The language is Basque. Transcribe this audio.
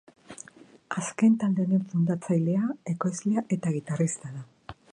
Azken talde honen fundatzailea, ekoizlea eta gitarrista da.